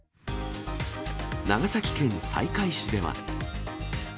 長崎県西海市では。